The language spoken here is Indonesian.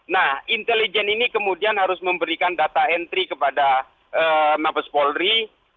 nah intelijen ini kemudian harus memberikan data entry kepada mabes polri